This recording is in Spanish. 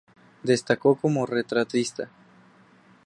Destacó como retratista.